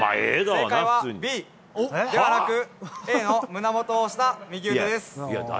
正解はＢ、ではなく、Ａの胸元を押した右腕です。